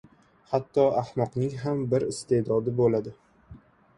• Hatto ahmoqning ham bir iste’dodi bo‘ladi.